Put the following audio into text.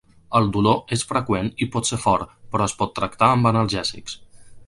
El dolor és freqüent i pot ser fort, però es pot tractar amb analgèsics.